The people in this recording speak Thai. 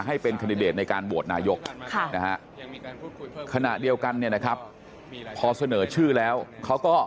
ให้เป็นคันดิเดตในการโหวดนายก